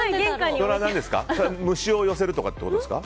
虫を寄せるということですか？